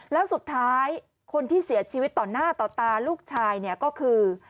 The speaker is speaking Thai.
แล้วสุดท้ายคนที่เสียชีวิตต่อหน้าต่อตาลูกชายเนี่ยก็คือ